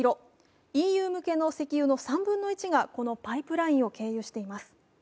ＥＵ向けの石油の３分の１が、このパイプラインを経由しています。